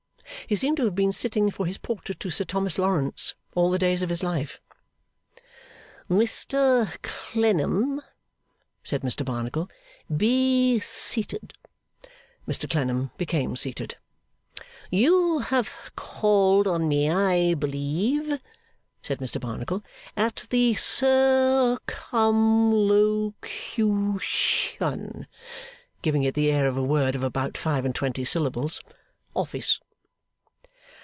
He seemed to have been sitting for his portrait to Sir Thomas Lawrence all the days of his life. 'Mr Clennam?' said Mr Barnacle. 'Be seated.' Mr Clennam became seated. 'You have called on me, I believe,' said Mr Barnacle, 'at the Circumlocution ' giving it the air of a word of about five and twenty syllables 'Office.